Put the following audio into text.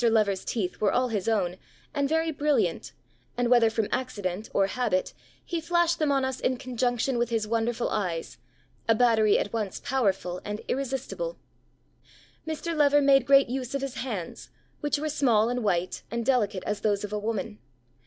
Lever's teeth were all his own and very brilliant, and whether from accident or habit, he flashed them on us in conjunction with his wonderful eyes, a battery at once powerful and irresistible.... Mr. Lever made great use of his hands, which were small and white and delicate as those of a woman.